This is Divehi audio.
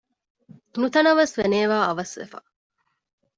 ނުތަނަވަސްވެ ނޭވާއަވަސް ވެފަ